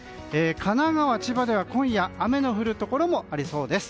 神奈川県、千葉では今夜雨の降るところもありそうです。